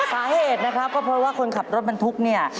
สาเหตุนะครับก็เพราะว่าคนขับรถบรรทุกเนี่ย